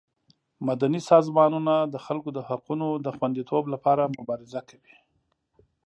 مدني سازمانونه د خلکو د حقونو د خوندیتوب لپاره مبارزه کوي.